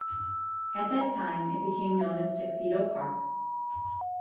At that time it became known as "Tuxedo Park".